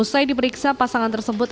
usai diperiksa pasangan tersebut